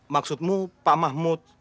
maksudmu pak mahmud